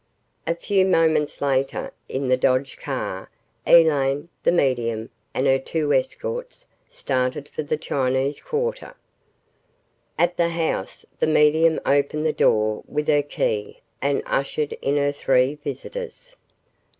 A few moments later, in the Dodge car, Elaine, the medium, and her two escorts started for the Chinese quarter. ........ At the house, the medium opened the door with her key and ushered in her three visitors.